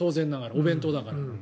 お弁当だから。